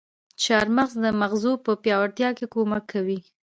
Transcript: چارمغز د مغزو په پياوړتيا کې کمک کوي.